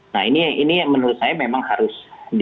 nah ini menurut saya memang harus